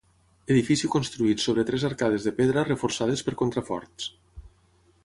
Edifici construït sobre tres arcades de pedra reforçades per contraforts.